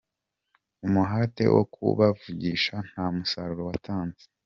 Umuhate wo kubavugisha nta musaruro watanze.